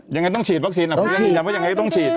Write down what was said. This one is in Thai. ยังไงต้องฉีดวัคซีนอ่ะคุณยังมีคำว่ายังไงก็ต้องฉีด